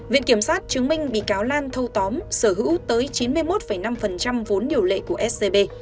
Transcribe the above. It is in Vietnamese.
viện kiểm sát chứng minh bị cáo lan thâu tóm sở hữu tới chín mươi một năm vốn điều lệ của scb